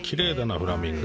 フラミンゴ。